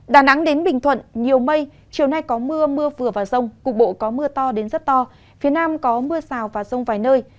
đà nẵng đến bình thuận nhiều mây chiều nay có mưa mưa vừa và rông cục bộ có mưa to đến rất to phía nam có mưa rào và rông vài nơi